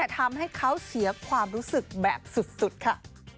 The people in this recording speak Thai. ทำให้เขาเสียความรู้สึกแบบสุดค่ะ